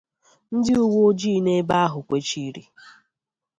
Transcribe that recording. ndị uweojii nọ ebe ahụ kwèchììrì